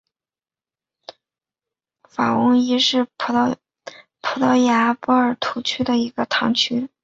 法翁伊什是葡萄牙波尔图区的一个堂区。